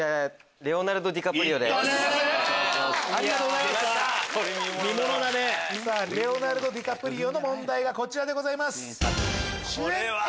「レオナルド・ディカプリオ」の問題がこちらでございます。